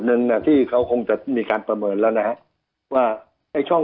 หนึ่งน่ะที่เขาคงจะมีการประเมินแล้วนะฮะว่าไอ้ช่อง